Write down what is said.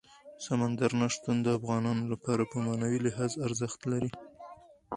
سمندر نه شتون د افغانانو لپاره په معنوي لحاظ ارزښت لري.